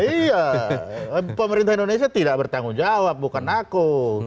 iya pemerintah indonesia tidak bertanggung jawab bukan aku